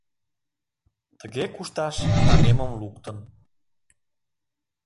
Тыге кушташ, таҥемым луктын.